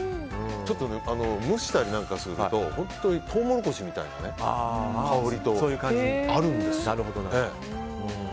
ちょっと蒸したりなんかすると本当にトウモロコシみたいな香り。